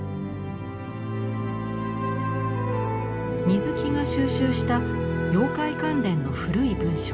水木が蒐集した妖怪関連の古い文書。